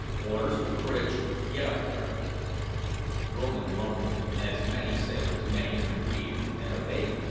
"Orders from the bridge. Get up there." Rowland grumbled, as sailors may when aggrieved, and obeyed.